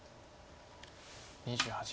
２８秒。